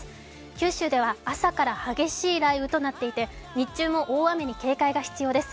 九州では朝から激しい雷雨となっていて日中も大雨に警戒が必要です。